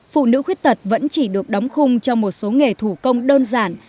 phụ nữ khuyết tật vẫn chỉ được đóng khung cho một số nghề thủ công đơn giản